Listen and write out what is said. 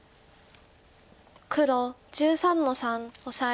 黒１３の三オサエ。